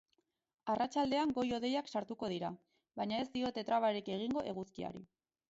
Arratsaldean goi-hodeiak sartuko dira, baina ez diote trabarik egingo eguzkiari.